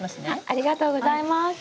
ありがとうございます。